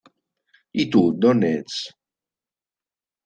I tu, d'on ets?